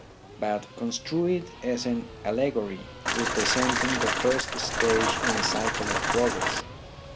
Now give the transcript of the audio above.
But construe it as an allegory representing the first stage in a cycle of progress.